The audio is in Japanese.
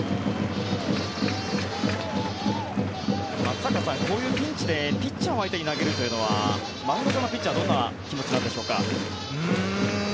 松坂さん、こういうピンチでピッチャーを相手に投げるというのはマウンド上のピッチャーはどういう気持ちなんでしょうか。